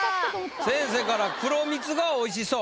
先生から「黒蜜が美味しそう！